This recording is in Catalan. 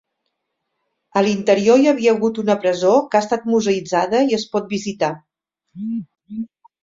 A l'interior hi havia hagut una presó que ha estat museïtzada i es pot visitar.